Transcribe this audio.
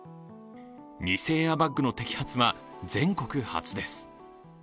偽エアバッグの摘発は全国初です。